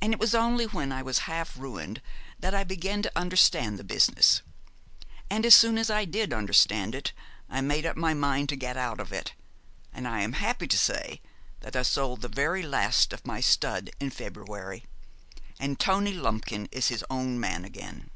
And it was only when I was half ruined that I began to understand the business; and as soon as I did understand it I made up my mind to get out of it; and I am happy to say that I sold the very last of my stud in February, and Tony Lumpkin is his own man again.